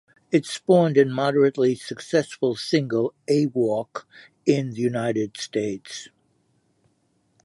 It spawned the moderately successful single "A Walk" in the United States.